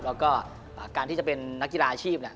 แล้วก็การที่จะเป็นนักกีฬาอาชีพเนี่ย